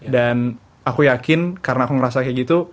dan aku yakin karena aku ngerasa kayak gitu